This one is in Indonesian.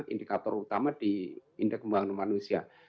indikator utama di indeks pembangunan manusia